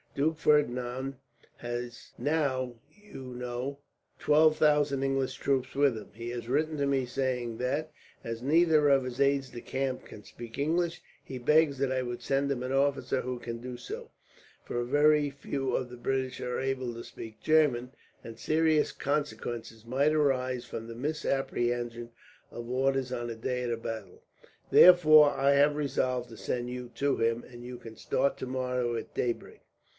Duke Ferdinand has now, you know, twelve thousand English troops with him. He has written to me saying that, as neither of his aides de camp can speak English, he begs that I would send him an officer who can do so; for very few of the British are able to speak German, and serious consequences might arise from the misapprehension of orders on the day of battle. Therefore I have resolved to send you to him, and you can start tomorrow, at daybreak.